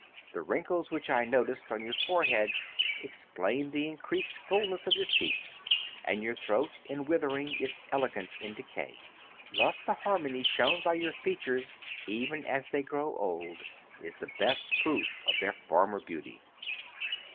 The wrinkles which I notice on your forehead explain the increased fulness of your cheeks, and your throat in withering is elegant in decay. Thus the harmony shown by your features, even as they grow old, is the best proof of their former beauty.